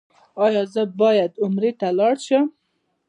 ایا زه باید عمرې ته لاړ شم؟